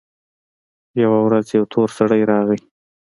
يوه ورځ يو تور سړى راغى.